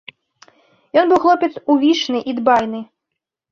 Ён быў хлопец увішны і дбайны.